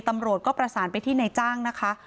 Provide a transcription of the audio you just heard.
ตำรวจก็ประสานไปที่ในจ้างนะคะ